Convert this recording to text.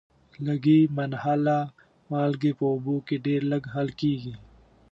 لږي منحله مالګې په اوبو کې ډیر لږ حل کیږي.